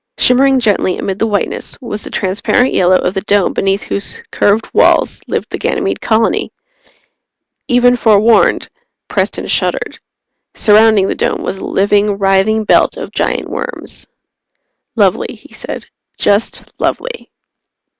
Shimmering gently amid the whiteness was the transparent yellow of the Dome beneath whose curved walls lived the Ganymede Colony. Even forewarned, Preston shuddered. Surrounding the Dome was a living, writhing belt of giant worms. "Lovely," he said. "Just lovely."